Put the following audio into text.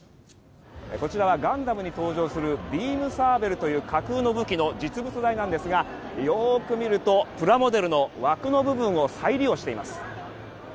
「こちら、ガンダムに登場するビームサーベルという架空の武器の実物大ですがよく見るとプラモデルの枠の部分を再利用しています」